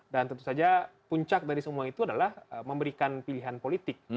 dan tentu saja puncak dari semua itu adalah memberikan pilihan politik